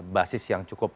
basis yang cukup